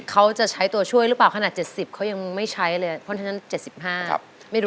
เขาจะใช้ตัวช่วยหรือเปล่าขนาด๗๐เขายังไม่ใช้เลยเพราะฉะนั้น๗๕ไม่รู้